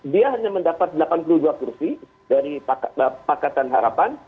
dia hanya mendapat delapan puluh dua kursi dari pakatan harapan